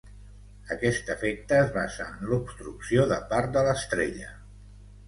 Aquest efecte es basa en l'obstrucció de part de l'estrella.